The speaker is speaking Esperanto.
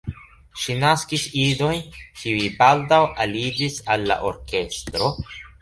Ŝi naskis idojn, kiuj baldaŭ aliĝis al la orkestro.